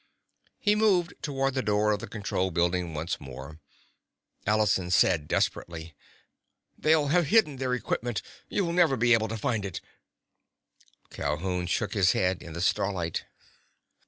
He moved toward the door of the control building once more. Allison said desperately: "They'll have hidden their equipment. You'll never be able to find it!" Calhoun shook his head in the starlight.